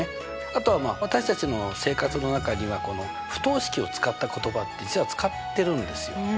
あとは私たちの生活の中には不等式を使った言葉って実は使ってるんですよ。